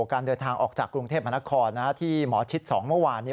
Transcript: การเดินทางออกจากกรุงเทพมหานครที่หมอชิด๒เมื่อวาน